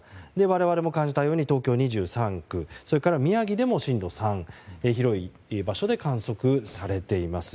我々も感じたように東京２３区それから宮城でも震度３と広い場所で観測されています。